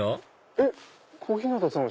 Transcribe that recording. えっ小日向さん